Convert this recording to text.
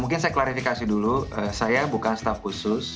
mungkin saya klarifikasi dulu saya bukan staff khusus